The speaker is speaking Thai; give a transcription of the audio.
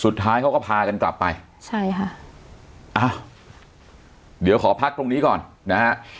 สุดท้ายเขาก็พากันกลับไปใช่ค่ะอ้าวเดี๋ยวขอพักตรงนี้ก่อนนะฮะ